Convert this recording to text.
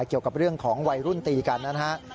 เกี่ยวกับเรื่องของวัยรุ่นตีกันนะฮะ